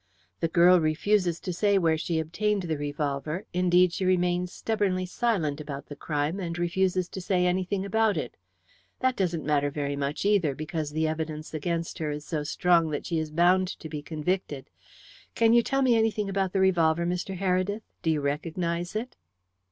The girl refuses to say where she obtained the revolver indeed, she remains stubbornly silent about the crime, and refuses to say anything about it. That doesn't matter very much either, because the evidence against her is so strong that she is bound to be convicted. Can you tell me anything about the revolver, Mr. Heredith? Do you recognize it?"